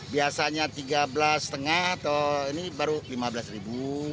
masanya rp tiga belas lima ratus atau ini baru rp lima belas